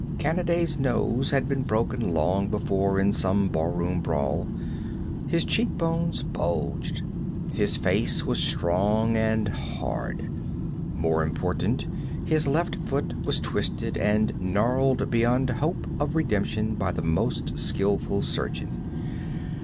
Kanaday's nose had been broken long before in some barroom brawl; his cheekbones bulged; his face was strong and hard. More important, his left foot was twisted and gnarled beyond hope of redemption by the most skillful surgeon.